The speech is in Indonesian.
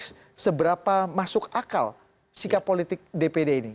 seberapa masuk akal sikap politik dpd ini